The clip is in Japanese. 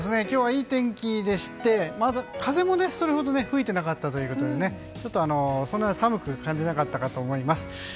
今日はいい天気でして風もそれほど吹いていなかったということでちょっとそんなに寒く感じなかったかと思います。